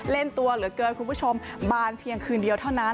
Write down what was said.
เล่นตัวเหลือเกินคุณผู้ชมบานเพียงคืนเดียวเท่านั้น